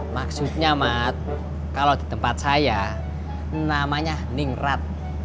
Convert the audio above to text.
maksudnya mat kalau di tempat saya namanya ningrat